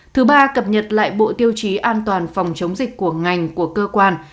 thứ ba cập nhật lại bộ tiêu chí an toàn phòng chống dịch của ngành của cơ quan